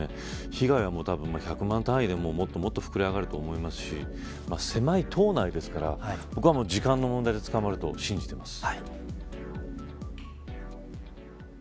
被害は１００万単位でもっともっと膨れ上がると思いますし狭い島内ですから僕は、時間の問題でつかまると信じています。